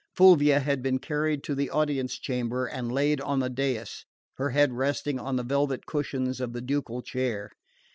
Fulvia had been carried into the audience chamber and laid on the dais, her head resting on the velvet cushions of the ducal chair.